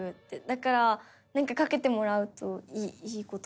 だからかけてもらうといい事。